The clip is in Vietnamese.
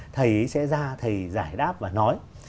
thầy sẽ ra thầy giải đáp và nói